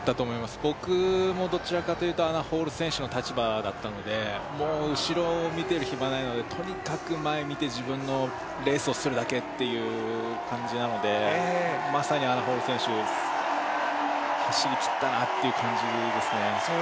僕もどちらかというとアナ・ホール選手の立場だったので、もう後ろを見ている暇はないのでとにかく前を見て自分のレースをするだけという感じなのでまさにアナ・ホール選手、走りきったなという感じですね。